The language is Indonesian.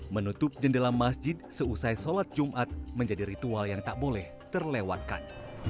menutup jendela masjid seusai sholat jumat menjadi ritual yang tak boleh terlewatkan